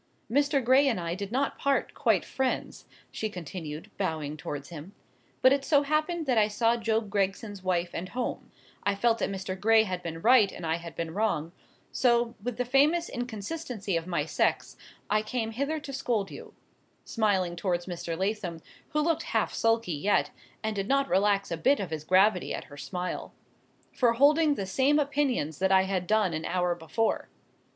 Mr. Gray and I did not part quite friends," she continued, bowing towards him; "but it so happened that I saw Job Gregson's wife and home,—I felt that Mr. Gray had been right and I had been wrong, so, with the famous inconsistency of my sex, I came hither to scold you," smiling towards Mr. Lathom, who looked half sulky yet, and did not relax a bit of his gravity at her smile, "for holding the same opinions that I had done an hour before.